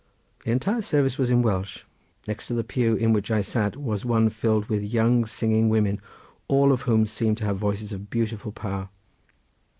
The entire service was in Welsh. Next to the pew in which I sat was one filled with young singing women, all of whom seemed to have voices of wonderful power.